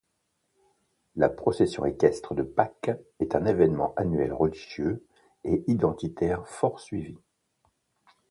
La procession équestre de Pâques est un événement annuel religieux et identitaire fort suivi.